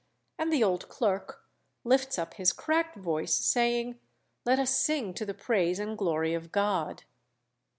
and the old clerk lifts up his cracked voice, saying, 'Let us sing to the praise and glory of God.'